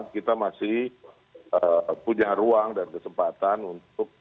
kita masih punya ruang dan kesempatan untuk